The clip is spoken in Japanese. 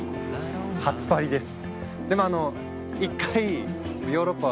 初パリですでも。